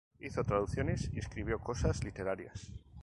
Hizo traducciones y escribió cosas literarias.